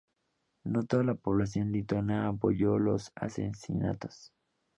No toda la población lituana apoyó los asesinatos.